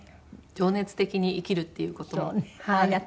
情熱的に生きるっていう事を。